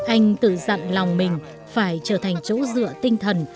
anh tự dặn lòng mình phải trở thành chỗ dựa tinh thần